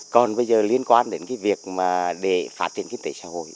còn bây giờ liên quan đến cái việc mà để phát triển kinh tế xã hội